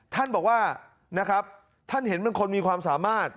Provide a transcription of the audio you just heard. ท่านบอกว่านะครับท่านเห็นเป็นคนมีความสามารถ